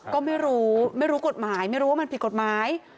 ก็ไม่รู้ไม่รู้กฎหมายไม่รู้ว่ามันผิดกฎหมาย